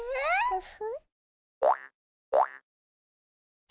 ウフ！